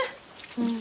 うん。